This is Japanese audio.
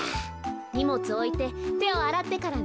にもつおいててをあらってからね。